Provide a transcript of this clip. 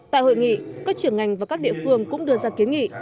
tại hội nghị các trưởng ngành và các địa phương cũng đưa ra kiến nghị